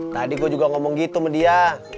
tadi gue juga ngomong gitu sama dia